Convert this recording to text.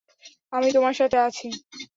আমি তোমার সাথে আছি।